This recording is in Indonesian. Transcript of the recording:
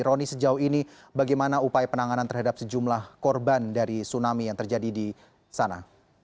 roni sejauh ini bagaimana upaya penanganan terhadap sejumlah korban dari tsunami yang terjadi di sana